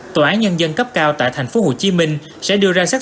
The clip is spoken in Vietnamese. tòa án nhân dân cấp cao tại tp hcm sẽ đưa ra xác